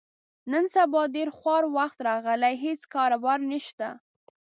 نن سبا ډېر خوار وخت راغلی، هېڅ کاروبار نشته.